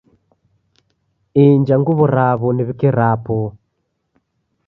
Inja nguw'o raw'o niw'ike rapo